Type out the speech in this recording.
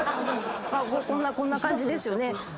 こんな感じですよね。